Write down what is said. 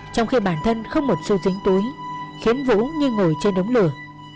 trong khi bản thân không một xô dính túi khiến vũ như ngồi trên đống lửa